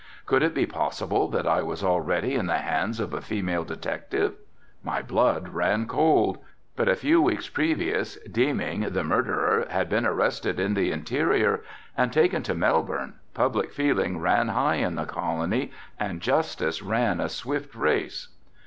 Could it be possible that I was already in the hands of a female detective? My blood ran cold. But a few weeks previous, Deeming, the murderer, had been arrested in the interior and taken to Melbourne, public feeling ran high in the colony and Justice ran a swift race.